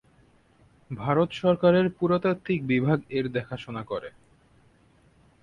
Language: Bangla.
ভারত সরকারের পুরাতাত্ত্বিক বিভাগ এর দেখাশুনা করে।